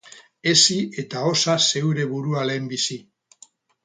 Hezi eta osa zeure burua lehenbizi.